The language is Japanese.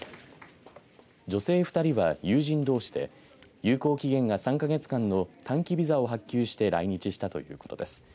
女性２人は、友人どうしで有効期限が３か月間の短期ビザを発給して来日したということです。